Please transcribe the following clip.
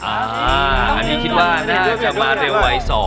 อ่าอันนี้คิดว่าน่าจะมาเร็วไว๒